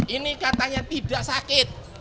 ini katanya tidak sakit